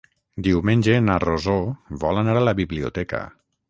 Diumenge na Rosó vol anar a la biblioteca.